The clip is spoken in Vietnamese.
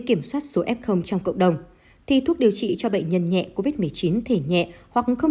kiểm soát số f trong cộng đồng thì thuốc điều trị cho bệnh nhân nhẹ covid một mươi chín thể nhẹ hoặc không